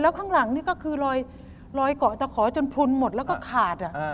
ข้างหลังนี่ก็คือรอยเกาะตะขอจนพลุนหมดแล้วก็ขาด